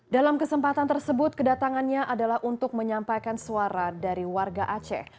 dalam kesempatan tersebut kedatangannya adalah untuk menyampaikan suara dari warga aceh